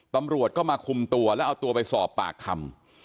ตำรวจก็มาคุมตัวแล้วเอาตัวไปสอบปากคำ